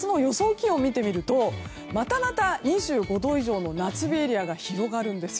気温を見てみるとまたまた２５度以上の夏日エリアが広がるんです。